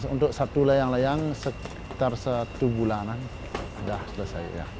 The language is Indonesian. untuk satu layang layang sekitar satu bulanan sudah selesai